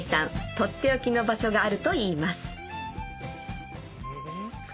取って置きの場所があるといいますうわ！